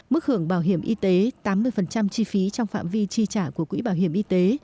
mức hưởng bảo hiểm y tế tám mươi chi phí trong phạm vi chi trả của quỹ bảo hiểm y tế